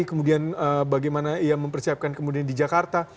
kemudian bagaimana ia mempersiapkan kemudian di jakarta